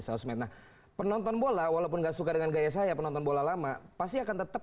sosmed nah penonton bola walaupun enggak suka dengan gaya saya penonton bola lama pasti akan tetap